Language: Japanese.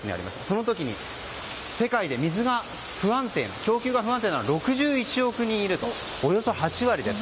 その時に世界で水の供給が不安定な人が６１億人、およそ８割いると。